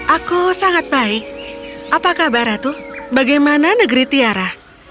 aku sangat baik apa kabar ratu bagaimana negeri tiara